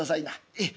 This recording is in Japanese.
ええ。